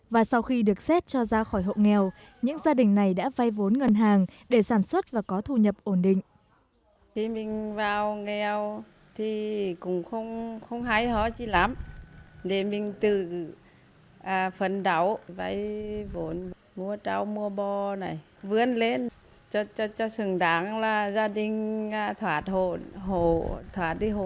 và sau khi được xét cho ra khỏi hộ nghèo những gia đình này đã vay vốn ngân hàng để sản xuất và có thu nhập ổn định